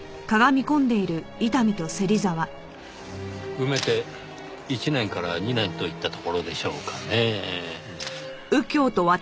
埋めて１年から２年といったところでしょうかねぇ。